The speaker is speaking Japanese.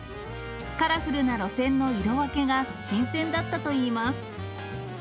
カラフルな路線の色分けが新鮮だったといいます。